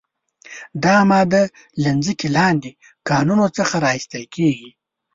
دا ماده له ځمکې لاندې کانونو څخه را ایستل کیږي.